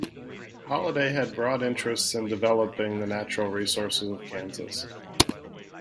Holliday had broad interests in developing the natural resources of Kansas.